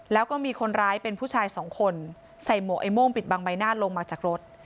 แล้วก็มีคนร้ายเป็นผู้ชายสองคนใส่หมวกไอ้โม่งปิดบังใบหน้าลงมาจากรถ